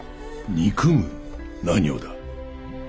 憎む？何をだ？